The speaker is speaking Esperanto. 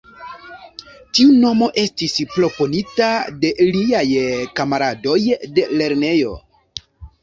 Tiu nomo estis proponita de liaj kamaradoj de lernejo.